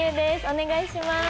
お願いします。